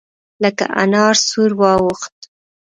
لکه انار سور واوښت.